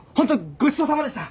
ごちそうさまでした！